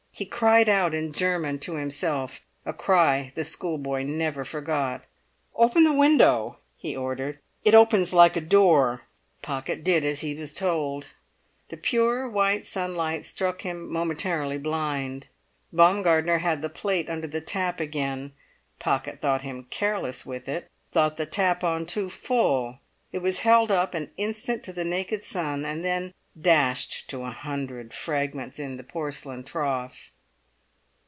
He cried out in German to himself, a cry the schoolboy never forgot. "Open the window!" he ordered. "It opens like a door." Pocket did as he was told. The pure white sunlight struck him momentarily blind. Baumgartner had the plate under the tap again. Pocket thought him careless with it, thought the tap on too full; it was held up an instant to the naked sun, and then dashed to a hundred fragments in the porcelain trough.